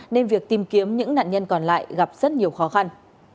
nên việc tìm kiếm những nạn nhân còn lại gặp rất nhiều khó khăn